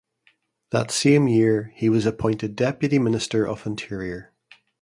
That same year he was appointed deputy minister of Interior.